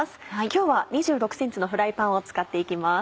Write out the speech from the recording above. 今日は２６ｃｍのフライパンを使って行きます。